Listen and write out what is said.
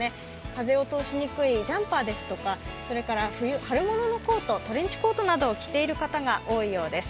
風を通しにくいジャンパーですとか春物のコート、トレンチコートなどを着ている方が多いようです。